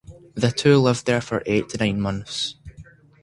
The two lived there for eight to nine months.